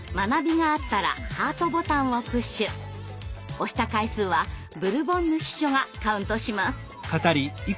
押した回数はブルボンヌ秘書がカウントします。